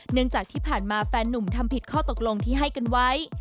เนื่องจากที่ผ่านมาแฟนนุ่มทำผิดข้อตกลงที่ให้กันไว้